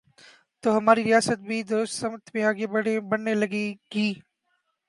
تو ہماری ریاست بھی درست سمت میں آگے بڑھنے لگے گی۔